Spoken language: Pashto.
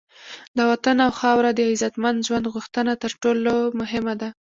د وطن او خاوره د عزتمند ژوند غوښتنه تر ټولو مهمه ده.